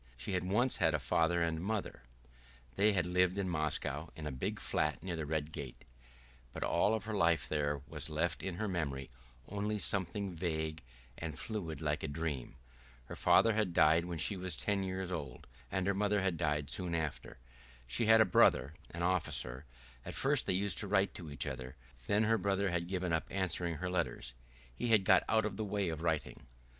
She had once had a father and mother; they had lived in Moscow in a big flat near the Red Gate, but of all that life there was left in her memory only something vague and fluid like a dream. Her father had died when she was ten years old, and her mother had died soon after.... She had a brother, an officer; at first they used to write to each other, then her brother had given up answering her letters, he had got out of the way of writing.